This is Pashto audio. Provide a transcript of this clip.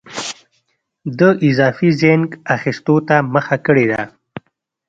د اضافي زېنک اخیستو ته مخه کړې ده.